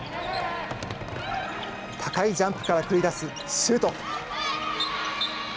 高いジャンプから繰り出すシュート。